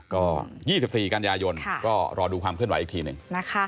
ก็๒๔การยายนก็รอดูความขึ้นไหวอีกทีหนึ่ง